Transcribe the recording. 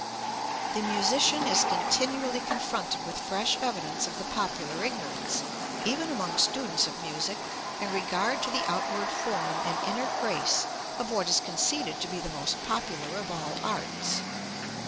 The musician is continually confronted with fresh evidence of the popular ignorance, even among students of music, in regard to the outward form and inner grace of what is conceded to be the most popular of all arts.